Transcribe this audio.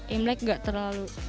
imlek gak terlalu